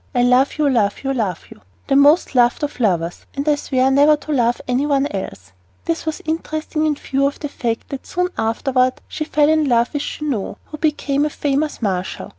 I love you, love you, love you, the most loved of lovers, and I swear never to love any one else! This was interesting in view of the fact that soon afterward she fell in love with Junot, who became a famous marshal.